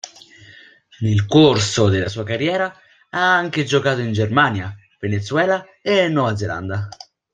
Nel corso della sua carriera ha anche giocato in Germania, Venezuela e Nuova Zelanda.